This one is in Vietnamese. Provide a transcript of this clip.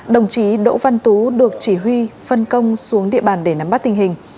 đồng chí đỗ văn tú được chỉ huy phân công xuống địa bàn để nắm bắt tình hình